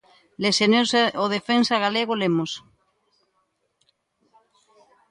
Lesionouse o defensa galego Lemos.